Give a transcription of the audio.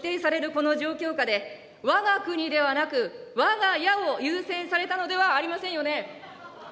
この状況下で、わが国ではなく、わが家を優先されたのではありませんよね。